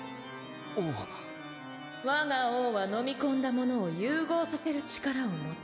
我が王は飲み込んだものを融合させる力を持つ。